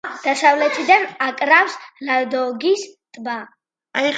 დასავლეთიდან აკრავს ლადოგის ტბა.